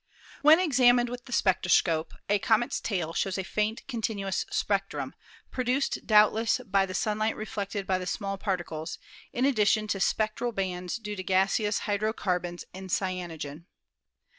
When examined with the spectroscope, a comet's tail shows a faint continuous spectrum, produced doubtless by the sunlight reflected by the small particles, in addition to spectral bands due to gaseous hydrocarbons and cyanogen.